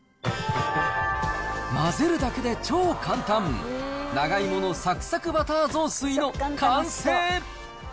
混ぜるだけで超簡単、長芋のサクサクバター雑炊の完成。